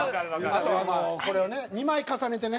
あとはこれを２枚重ねてね